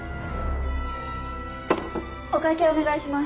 お会計お願いします。